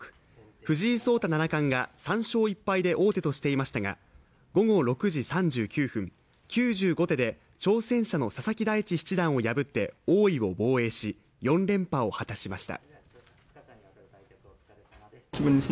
藤井聡太七冠が３勝１敗で王手としていましたが、午後６時３９分、９５手で挑戦者の佐々木大地七段を破って王位を防衛し４連覇を果たしました。